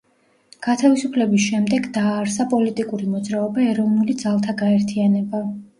გათავისუფლების შემდეგ დააარსა პოლიტიკური მოძრაობა „ეროვნული ძალთა გაერთიანება“.